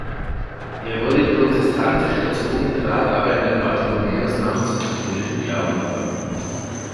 Er wurde protestantisch erzogen, trat aber in der Bartholomäusnacht zum katholischen Glauben über.